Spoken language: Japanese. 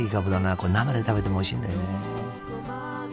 これ生で食べてもおいしいんだよね。